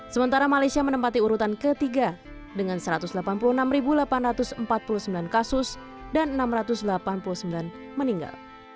sementara malaysia menempati urutan ketiga dengan satu ratus delapan puluh enam delapan ratus empat puluh sembilan kasus dan enam ratus delapan puluh sembilan meninggal